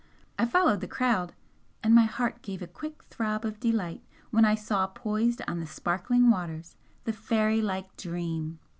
I followed the crowd, and my heart gave a quick throb of delight when I saw poised on the sparkling waters the fairylike 'Dream'!